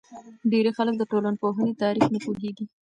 ډېری خلک د ټولنپوهنې تعریف نه پوهیږي.